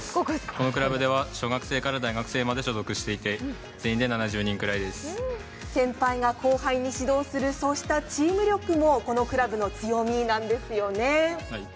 このクラブでは小学生から大学生まで所属していて先輩が後輩に指導する、そのチーム力もこのクラブの強みなんですよね。